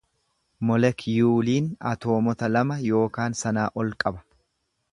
Molekyuuliin atoomota lama yookaan sanaa ol qaba.